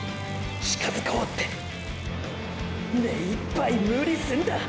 近づこうってめいっぱい「無理」すんだ！！